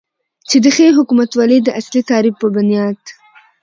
چې د ښې حکومتولې داصلي تعریف په بنیاد